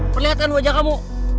perlihatkan wajah kamu